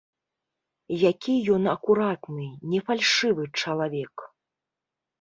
Які ён акуратны, не фальшывы чалавек!